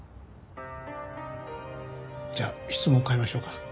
じゃあ質問を変えましょうか。